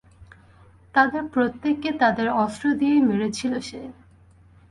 তাদের প্রত্যেককে, তাদের অস্ত্র দিয়েই মেরেছিল সে।